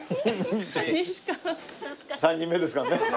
３人目ですからね。